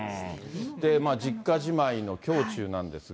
実家じまいの胸中なんですが。